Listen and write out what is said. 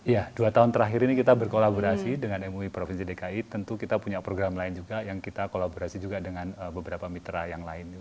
ya dua tahun terakhir ini kita berkolaborasi dengan mui provinsi dki tentu kita punya program lain juga yang kita kolaborasi juga dengan beberapa mitra yang lainnya